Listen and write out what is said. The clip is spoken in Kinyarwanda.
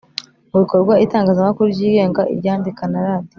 mu bikorwa Itangazamakuru ryigenga iryandika na radiyo